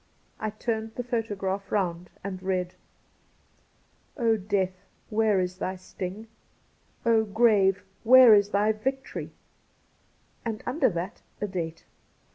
I turned the photograph round and read :' O death, where is thy sting ? grave, where is thy victory ?' and under that a date.